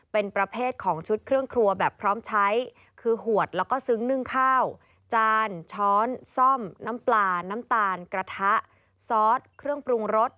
เป็นประเภทของชุดเครื่องครัวแบบพร้อมใช้คือหวดแล้วก็ซึ้งนึ่งข้าวจานช้อนซ่อมน้ำปลาน้ำตาลกระทะซอสเครื่องปรุงรส